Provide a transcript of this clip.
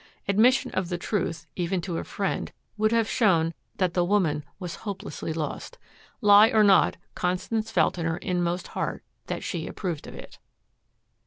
Admission of the truth, even to a friend, would have shown that the woman was hopelessly lost. Lie or not, Constance felt in her inmost heart that she approved of it.